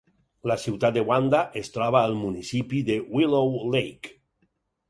La ciutat de Wanda es troba al municipi de Willow Lake.